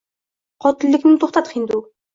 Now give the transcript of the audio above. Qotillikni to’xtat, hindu